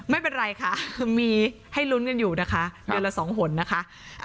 ไม่เป็นไรค่ะคือมีให้ลุ้นกันอยู่นะคะเดือนละสองหนนะคะ